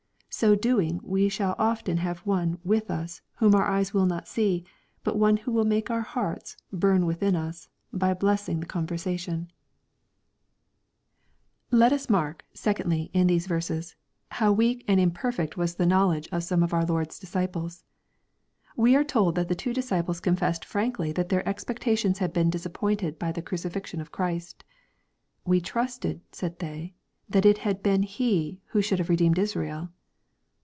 Sd doing we shall often have One with us whom our eyes will not see, but One who will make our hearts '^ burn within us' by blessing the conversation. 500 EXPOSITORY THOUGHTS. Let us mark, secondly, in these verses, hoio weak and imperfect was the knowledge of some of our Lord's disciples. We are told that the two disciples confessed frankly that their expectations had been disappointed by the cruci fixion of Christ. " We trusted/' said they, *^ that it had been He who should have redeemed Israel."